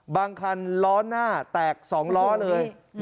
คันล้อหน้าแตก๒ล้อเลย